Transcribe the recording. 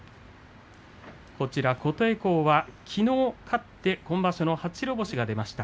琴恵光は、きのう勝って今場所の初白星が出ました。